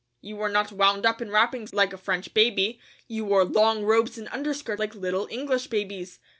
You were not wound up in wrappings like a French baby; you wore long robes and underskirts like little English babies.